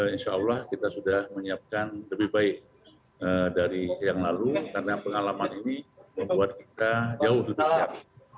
insya allah kita sudah menyiapkan lebih baik dari yang lalu karena pengalaman ini membuat kita jauh lebih siap